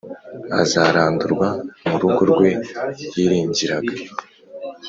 azarandurwa mu rugo rwe yiringiraga,